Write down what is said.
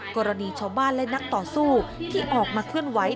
กรณีชาวบ้านและนักต่อสู้ที่ออกมาเคลื่อนไหว